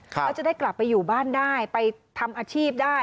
แล้วจะได้กลับไปอยู่บ้านได้ไปทำอาชีพได้